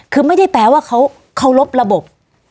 คือไม่ได้แปลว่าเขาเคารพระบบ